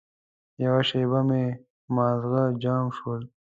یوه شېبه مې ماغزه جام شول.